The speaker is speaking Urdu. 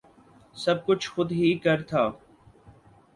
سب کچھ خود ہی کر تھا